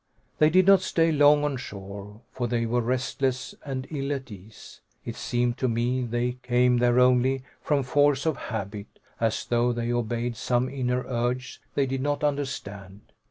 They did not stay long on shore, for they were restless and ill at ease. It seemed to me they came there only from force of habit, as though they obeyed some inner urge they did not understand.